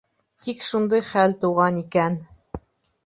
Тик шундай хәл тыуған икән...